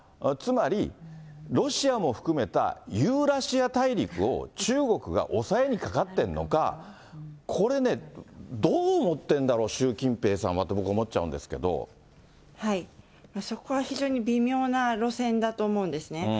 つまり、ロシアも含めたユーラシア大陸を中国が押さえにかかっているのか、これね、どう思ってるんだろう、習近平さんはって僕、そこは非常に微妙な路線だと思うんですね。